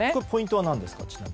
ポイントは何ですか？